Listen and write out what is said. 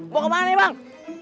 mau kemana nih bang